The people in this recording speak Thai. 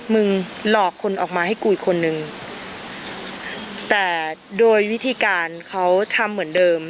มึงหลอกคนออกมาให้กูอีกคนนึงแต่โดยวิธีการเขาทำเหมือนเดิม